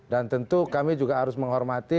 dan tentu kami juga harus menghormati